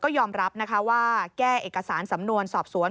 ยอมรับนะคะว่าแก้เอกสารสำนวนสอบสวน